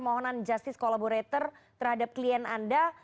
maka ada yang mengatakan kemudian perlindungan terhadap klien anda